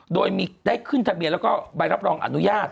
โดยมีได้ขึ้นทะเบียนแล้วก็ใบรับรองอนุญาต